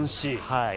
はい。